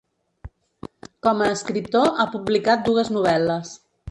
Com a escriptor ha publicat dues novel·les.